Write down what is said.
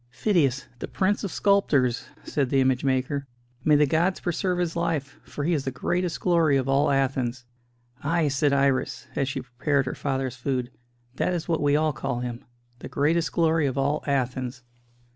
"Phidias, the prince of sculptors!" said the image maker. "May the gods preserve his life; for he is the greatest glory of all Athens!" "Ay," said Iris, as she prepared her father's food, "that is what we all call him the greatest glory of all Athens."